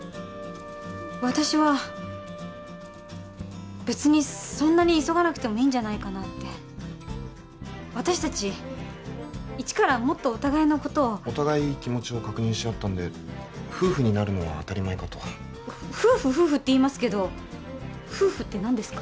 私は別にそんなに急がなくてもいいんじゃないかなって私達イチからもっとお互いのことをお互い気持ちを確認し合ったんで夫婦になるのは当たり前かと夫婦夫婦って言いますけど夫婦って何ですか？